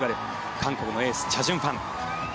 韓国のエースチャ・ジュンファン。